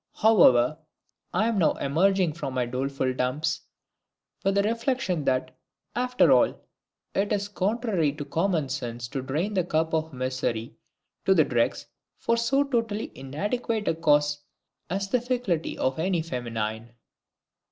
However, I am now emerging from my doleful dumps, with the reflection that, after all, it is contrary to common sense to drain the cup of misery to the dregs for so totally inadequate a cause as the ficklety of any feminine!